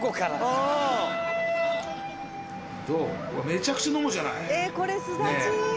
うわめちゃくちゃ飲むじゃないねぇ。